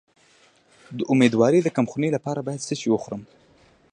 د امیدوارۍ د کمخونی لپاره باید څه شی وخورم؟